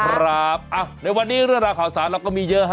ครับในวันนี้เรื่องราวข่าวสารเราก็มีเยอะฮะ